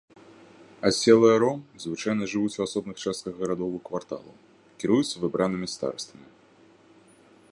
Аселыя ром звычайна жывуць у асобных частках гарадоў і кварталаў, кіруюцца выбранымі старастамі.